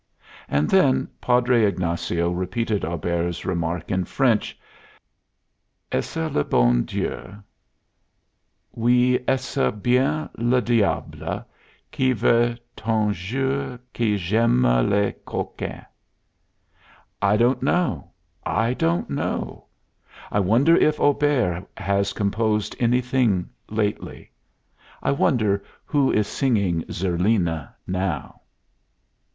And then Padre Ignacio repeated Auber's remark in French: "'Est ce le bon Dieu, oui est ce bien le diable, qui veut tonjours que j'aime les coquins?' I don't know! I don't know! I wonder if Auber has composed anything lately? I wonder who is singing 'Zerlina' now?"